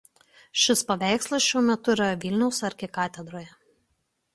Šis paveikslas šiuo metu yra Vilniaus arkikatedroje.